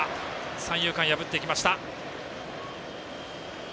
三遊間、破っていきました。